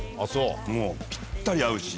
もうぴったり合うし。